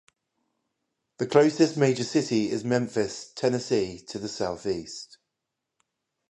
The closest major city is Memphis, Tennessee, to the southeast.